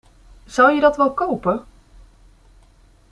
Zou je dat wel kopen?